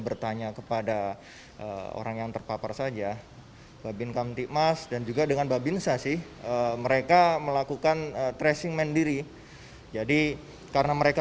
bertanya kepada orang yang terpapar saja babin kamtik mas dan juga dengan babinsa sih mereka